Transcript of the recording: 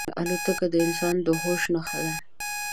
الوتکه د انسان د هوش نښه ده.